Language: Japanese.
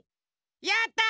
やった！